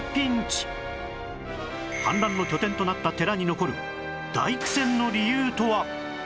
反乱の拠点となった寺に残る大苦戦の理由とは？